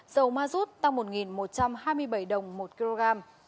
dầu mazut tăng một một trăm hai mươi bảy đồng một kg